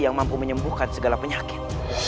yang mampu menyembuhkan segala penyakit